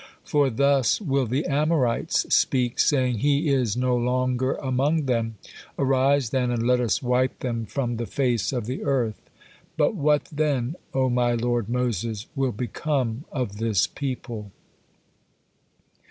For thus will the Amorites speak saying, 'He is no longer among them; arise then and let us wipe them from the face of the earth.' But what then, O my lord Moses, will become of this people?"